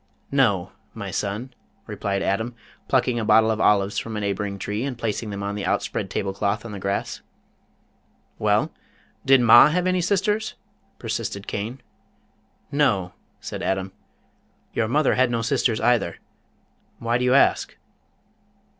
"No, my son," replied Adam, plucking a bottle of olives from a neighboring tree, and placing them on the outspread table cloth on the grass. "Well, did Ma have any sisters?" persisted Cain. "No," said Adam. "Your mother had no sisters, either. Why do you ask?"